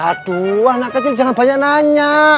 aduh anak kecil jangan banyak nanya